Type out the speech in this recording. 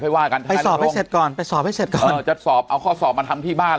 ว่ากันไปสอบให้เสร็จก่อนไปสอบให้เสร็จก่อนเออจะสอบเอาข้อสอบมาทำที่บ้านเห